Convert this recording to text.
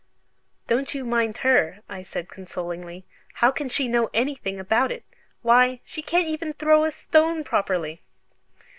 "Don't you mind HER," I said, consolingly; "how can she know anything about it? Why, she can't even throw a stone properly!"